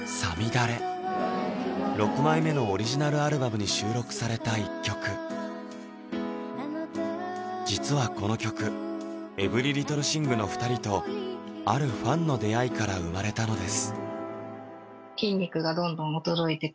６枚目のオリジナルアルバムに収録された一曲実はこの曲「ＥｖｅｒｙＬｉｔｔｌｅＴｈｉｎｇ」の２人とあるファンの出会いから生まれたのです